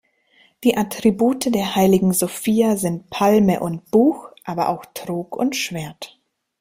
Die Attribute der heiligen Sophia sind Palme und Buch, aber auch Trog und Schwert.